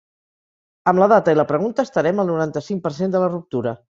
Amb la data i la pregunta estarem al noranta-cinc per cent de la ruptura.